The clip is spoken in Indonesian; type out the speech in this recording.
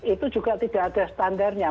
itu juga tidak ada standarnya